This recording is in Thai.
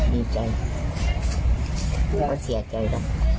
ดีใจไม่สนเสียใจเหรอ